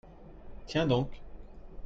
Tiens donc !